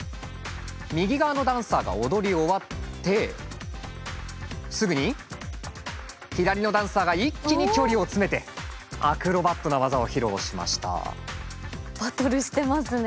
右側のダンサーが踊り終わってすぐに左のダンサーが一気に距離を詰めてアクロバットな技を披露しました。